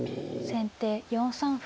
先手４三歩。